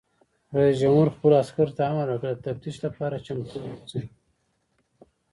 رئیس جمهور خپلو عسکرو ته امر وکړ؛ د تفتیش لپاره چمتو اوسئ!